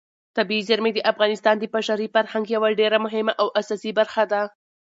طبیعي زیرمې د افغانستان د بشري فرهنګ یوه ډېره مهمه او اساسي برخه ده.